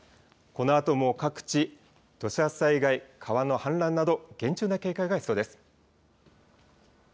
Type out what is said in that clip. このあとも各地、土砂災害、川の氾濫など、厳重な警戒が必要です。